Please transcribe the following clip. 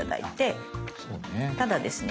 ただですね